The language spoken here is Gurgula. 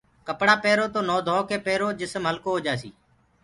ڪپڙآ پيرو تو نوه ڌوڪي پيرو جسم هلڪو هوجآسي